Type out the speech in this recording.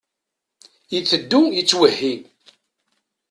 Iteddu yettwehhi.